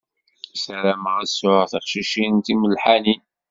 Sarameɣ ad sɛuɣ tiqcicin timelḥanin.